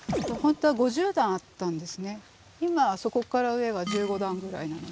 今あそこから上が１５段ぐらいなので。